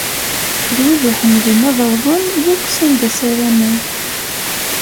D wid iḥemmlen ad awḍen yakk s anda ssaramen.